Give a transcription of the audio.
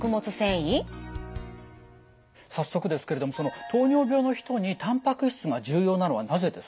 早速ですけれどもその糖尿病の人にたんぱく質が重要なのはなぜですか？